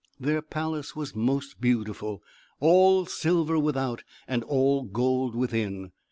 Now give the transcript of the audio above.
Their palace was most beautiful, all silver without, and all gold within.